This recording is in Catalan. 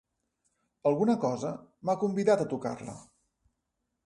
Alguna cosa m'ha convidat a tocar-la.